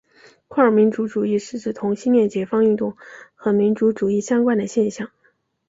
酷儿民族主义是指同性恋解放运动和民族主义相关的现象。